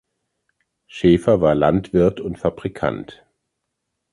Schefer war Landwirt und Fabrikant.